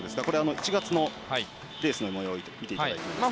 これは１月のレースのもようを見ていただいています。